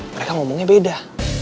mereka ngomongnya beda